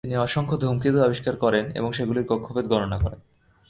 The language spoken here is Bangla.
তিনি অসংখ্য ধূমকেতু আবিষ্কার করেন এবং সেগুলির কক্ষপথ গণনা করেন।